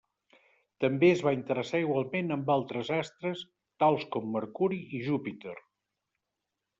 També es va interessar igualment amb altres astres tals com Mercuri i Júpiter.